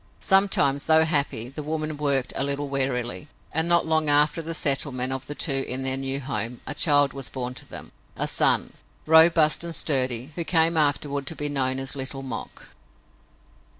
Sometimes, though happy, the woman worked a little wearily, and, not long after the settlement of the two in their new home, a child was born to them, a son, robust and sturdy, who came afterward to be known as Little Mok.